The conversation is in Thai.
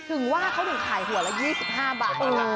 ถึงว่าเขาถึงขายหัวละ๒๕บาท